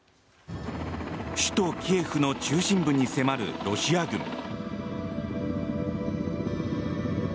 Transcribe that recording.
首都キエフの中心部に迫るロシア軍。